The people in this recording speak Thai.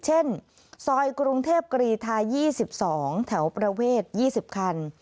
เช่นซอยกรุงเทพกรีทา๒๒แถวประเวท๒๐คัน